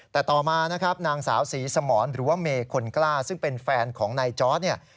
แต่ต่อมานะครับนางสาวศรีสมรหรือว่าเมย์คนกล้าซึ่งเป็นแฟนของนายจอร์ดเนี่ย